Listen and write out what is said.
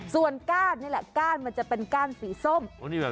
ส่วนก้านนี่แหละก้านมันจะเป็นก้านสีส้ม